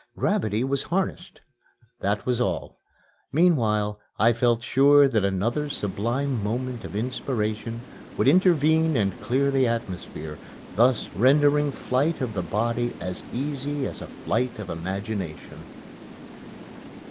Gravity was harnessed that was all. Meanwhile I felt sure that another sublime moment of inspiration would intervene and clear the atmosphere, thus rendering flight of the body as easy as a flight of imagination.